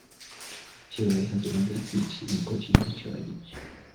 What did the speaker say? Cherai has the longest beach in Kochi - the Cherai beach.